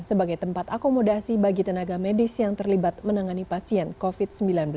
sebagai tempat akomodasi bagi tenaga medis yang terlibat menangani pasien covid sembilan belas